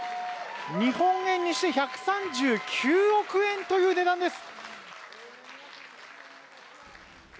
日本円にして１３９億円という値段です。